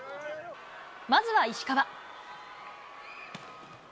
まずは石川。